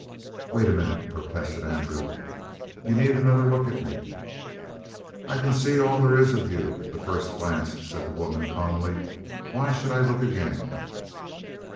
"Wait a minute," protested Andrew. "You need another look at me." "I can see all there is to you the first glance," said the woman calmly. "Why should I look again?"